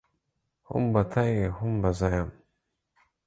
هم به ته يې هم به زه يم.